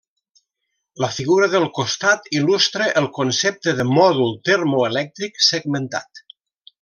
La figura del costat il·lustra el concepte de mòdul termoelèctric segmentat.